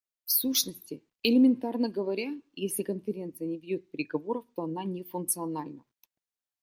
В сущности, элементарно говоря, если Конференция не ведет переговоров, то она не функциональна.